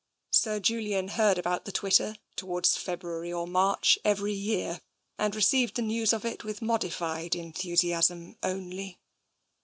Sir Julian heard about the twitter towards February or March every year, and received the news of it with modified enthusiasm only.